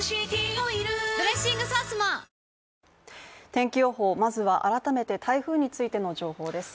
天気予報、まずは改めて台風についての情報です。